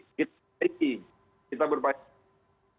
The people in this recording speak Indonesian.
pengelolaan kita ini kita berpikir